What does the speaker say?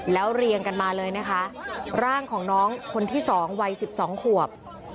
แล้วเรียงกันมาเลยนะคะร่างของน้องคนที่๒วัย๑๒ขวบ